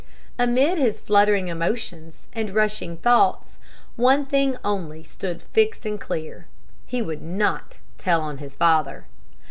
Amid his fluttering emotions and rushing thoughts one thing only stood fixed and clear: he would not tell on his father.